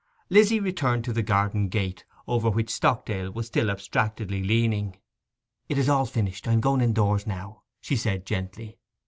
Lizzy returned to the garden gate, over which Stockdale was still abstractedly leaning. 'It is all finished: I am going indoors now,' she said gently.